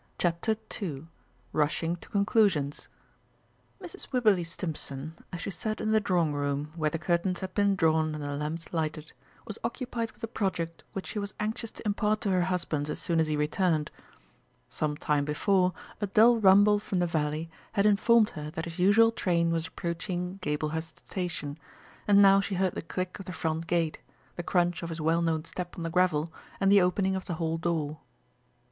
CHAPTER II RUSHING TO CONCLUSIONS Mrs. Wibberley Stimpson, as she sat in the drawing room, where the curtains had been drawn and the lamps lighted, was occupied with a project which she was anxious to impart to her husband as soon as he returned. Some time before a dull rumble from the valley had informed her that his usual train was approaching Gablehurst station, and now she heard the click of the front gate, the crunch of his well known step on the gravel, and the opening of the hall door.